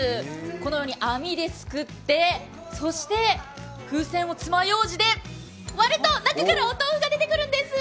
このように網ですくって、風船をつまようじで割ると、中からお豆腐が出てくるんです。